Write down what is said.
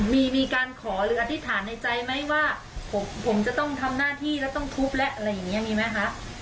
มีการขอหรืออธิษฐานในใจไหมว่าผมจะต้องทำหน้าที่แล้วต้องทุบแล้วอะไรอย่างนี้มีไหมคะ